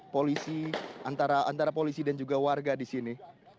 polisi antara polisi dan juga warga di sini